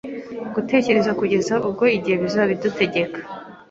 gutegereza kugeza ubwo ibihe bizabidutegeka